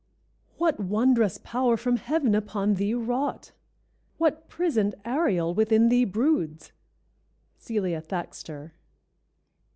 _) "What wondrous power from heaven upon thee wrought? What prisoned Ariel within thee broods?" —_Celia Thaxter.